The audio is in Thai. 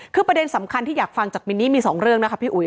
คือประเด็นสำคัญที่อยากฟังจากมินนี่มี๒เรื่องนะคะพี่อุ๋